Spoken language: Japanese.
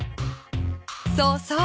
そうそう。